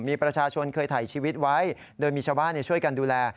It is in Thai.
มีประชาชนเคยถ่ายชีวิตไว้โดยมีชาวบ้านช่วยกันดูแล